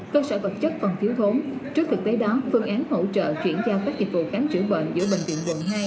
cơ sở vật chất còn thiếu thốn trước thực tế đó phương án hỗ trợ chuyển giao các dịch vụ khám chữa bệnh giữa bệnh viện quận hai